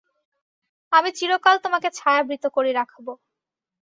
আমি চিরকাল তোমাকে ছায়াবৃত করে রাখব।